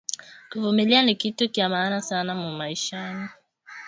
Ku vumilia ni kitu kya maana sana mumaisha